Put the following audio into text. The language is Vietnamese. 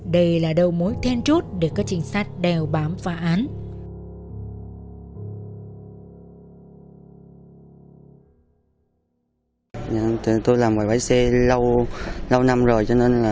đây là đầu mối then trút để các trình sát đèo bám phá án